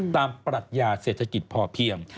ปรัชญาเศรษฐกิจพอเพียง